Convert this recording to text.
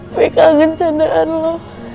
gue kangen candaan lo